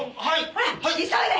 ほら急いで！